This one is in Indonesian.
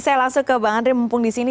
saya langsung ke bang andri mumpung di sini